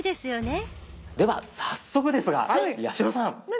では早速ですが八代さん。何？